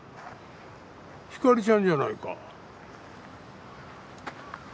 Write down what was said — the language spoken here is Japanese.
ひかりちゃんじゃないか。